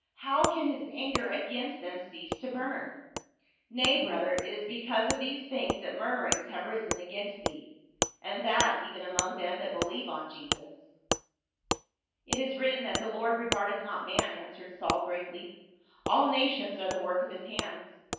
How can his anger against them cease to burn ? Nay, brother, it is because of these things that murmurings have risen against thee — and that even among them that believe on Jesus." THE CHOSEN AND THE ACCURSED. 125 " It is written that the Lord regardeth not man," answered Saul gravely. "All nations are the work of his hands.